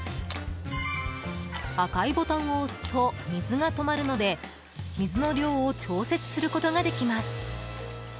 赤いボタンを押すと水が止まるので水の量を調節することができます。